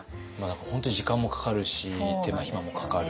本当に時間もかかるし手間暇もかかる。